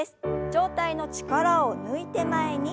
上体の力を抜いて前に。